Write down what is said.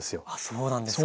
そうなんですか。